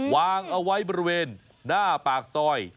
วางเอาไว้บริเวณหน้าปากซอย